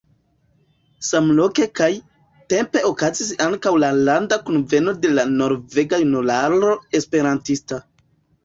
Samloke kaj -tempe okazis ankaŭ la Landa Kunveno de la Norvega Junularo Esperantista.